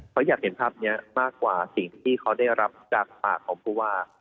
เขาอยากเห็นภาพนี้มากกว่าสิ่งที่เขาได้รับจากปากของผู้ว่า